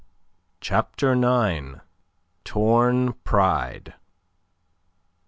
CHAPTER IX. TORN PRIDE M.